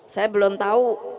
saya belum tahu